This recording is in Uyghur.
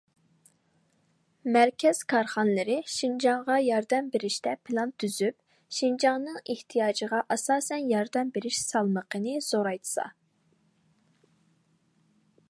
مەركەز كارخانىلىرى شىنجاڭغا ياردەم بېرىشتە پىلان تۈزۈپ، شىنجاڭنىڭ ئېھتىياجىغا ئاساسەن ياردەم بېرىش سالمىقىنى زورايتسا.